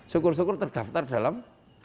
syukur syukur terdaftar dalam